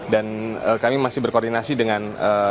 dan kami masih berkoordinasi dengan